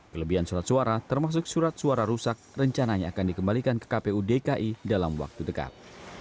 kelebihan surat suara termasuk surat suara rusak rencananya akan dikembalikan ke kpu dki dalam waktu dekat